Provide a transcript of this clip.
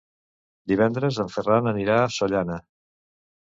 Divendres en Ferran anirà a Sollana.